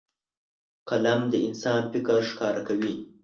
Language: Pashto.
قلم د انسان فکر ښکاره کوي